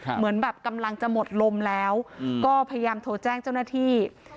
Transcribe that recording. เหมือนแบบกำลังจะหมดลมแล้วก็พยายามโทรแจ้งเจ้าหน้าที่